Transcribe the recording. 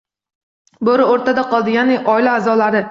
Bo'ri o'rtada qoldi, ya'ni oila a'zolari.